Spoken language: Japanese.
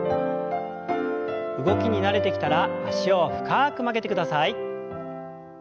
動きに慣れてきたら脚を深く曲げてください。